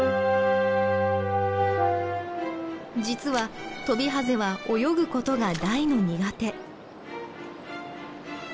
実はトビハゼは泳ぐことが大の苦手。